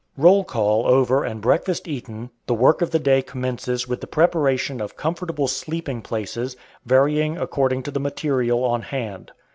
Roll call over and breakfast eaten, the work of the day commences with the preparation of comfortable sleeping places, varying according to the "material" on hand.